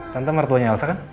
tante martuahnya elsa kan